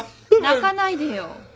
泣かないでよ。